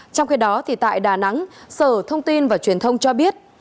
trong khi đó tại đà nẵng sở thông tin và truyền thông cho biết